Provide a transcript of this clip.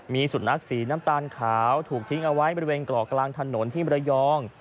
มีสุนัขสีน้ำตาลขาวถูกทิ้งเอาไว้บริเวณเกาะกลางถนนที่มรยอง